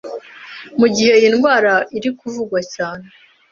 mu gihe iyi ndwara iri kuvugwa cyane